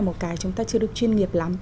một cái chúng ta chưa được chuyên nghiệp lắm